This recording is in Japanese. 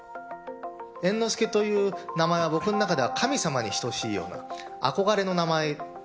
猿之助という名前は、僕の中では神様に等しいような、憧れの名前。